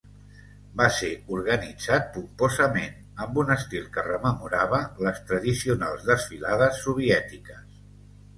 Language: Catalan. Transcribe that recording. Va ser organitzat pomposament, amb un estil que rememorava les tradicionals desfilades soviètiques.